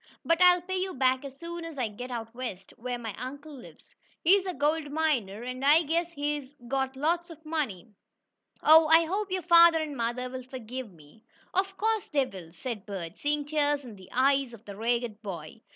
But I'll pay you back as soon as I get out west, where my uncle lives. He's a gold miner, and I guess he's got lots of money. Oh, I hope your father and mother will forgive me." "Of course they will," said Bert, seeing tears in the eyes of the ragged boy.